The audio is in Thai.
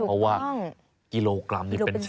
เพราะว่ากิโลกรัมนี่เป็น๑๐